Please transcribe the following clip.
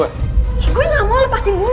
ya gue ga mau lepasin dulu